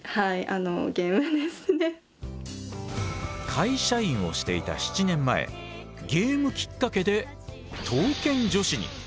会社員をしていた７年前ゲームきっかけで刀剣女子に。